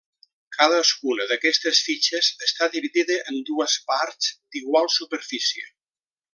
Cadascuna d'aquestes fitxes està dividida en dues parts d'igual superfície.